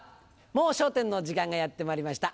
『もう笑点』の時間がやってまいりました。